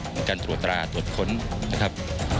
มีการตรวจตราตรวจค้นนะครับ